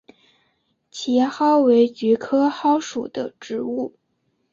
奇蒿为菊科蒿属的植物。